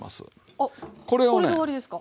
あっこれで終わりですか？